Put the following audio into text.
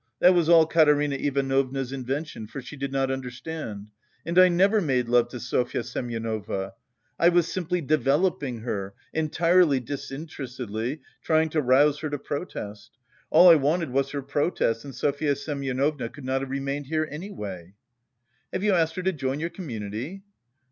That was all Katerina Ivanovna's invention, for she did not understand! And I never made love to Sofya Semyonovna! I was simply developing her, entirely disinterestedly, trying to rouse her to protest.... All I wanted was her protest and Sofya Semyonovna could not have remained here anyway!" "Have you asked her to join your community?"